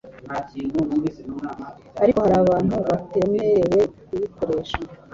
ariko hari abantu batemerewe kuyikoresha